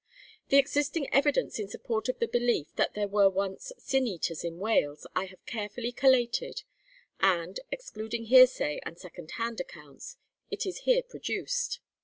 The existing evidence in support of the belief that there were once Sin eaters in Wales I have carefully collated and (excluding hearsay and second hand accounts), it is here produced.